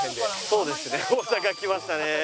そうですね大阪来ましたね。